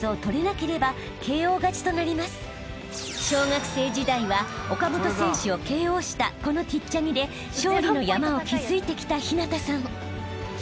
［小学生時代は岡本選手をＫＯしたこのティッチャギで勝利の山を築いてきた陽向さん］